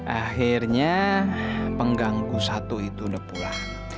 akhirnya pengganggu satu itu udah pulang